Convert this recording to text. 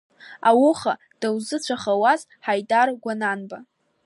Ауха даузыцәахуаз Ҳаидар Гәананба.